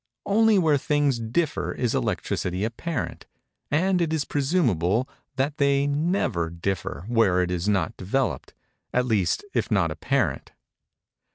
Only where things differ is electricity apparent; and it is presumable that they never differ where it is not developed at least, if not apparent.